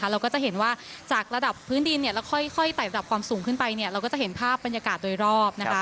เราก็จะเห็นว่าจากระดับพื้นดีนเราค่อยถ่ายทันความสูงนะจะเห็นภาพบรรยากาศโดยรอบ